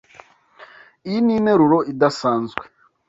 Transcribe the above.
Iyi ni interuro idasanzwe.